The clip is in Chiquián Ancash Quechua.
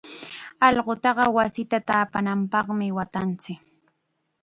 Allqutaqa wasita taapananpaqmi waatanchik.